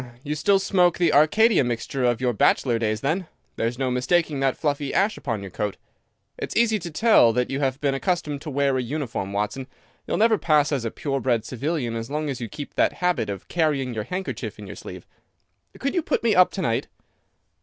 Hum! You still smoke the Arcadia mixture of your bachelor days then! There's no mistaking that fluffy ash upon your coat. It's easy to tell that you have been accustomed to wear a uniform, Watson. You'll never pass as a pure bred civilian as long as you keep that habit of carrying your handkerchief in your sleeve. Could you put me up to night?"